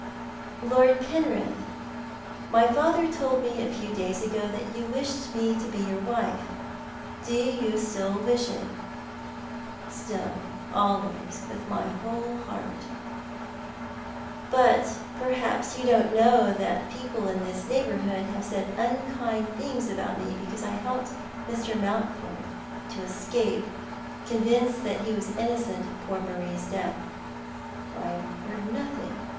" Lord Penrith, my father told me a few days ago that you wished me to be your wife. Do you still wish it ?" "Still — always — with my whole heart." "But perhaps you don't know that people in this neighbour hood have said unkind things about me because I helped Mr. Mountford to escape — convinced that he was innocent of poor Marie's death." "I have heard nothing.